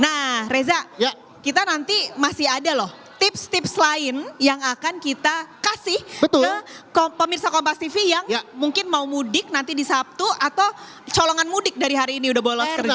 nah reza kita nanti masih ada loh tips tips lain yang akan kita kasih ke pemirsa kompas tv yang mungkin mau mudik nanti di sabtu atau colongan mudik dari hari ini udah bolong kembali